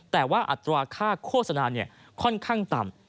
แต่ว่าอัตราค่าโฆษณาค่อนข้างต่ำ